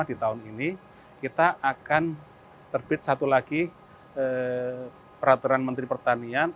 di tahun ini kita akan terbit satu lagi peraturan menteri pertanian